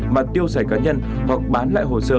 mà tiêu xài cá nhân hoặc bán lại hồ sơ